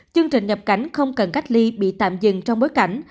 chương trình nhập cảnh không cần cách ly bị tạm dừng trong bối cảnh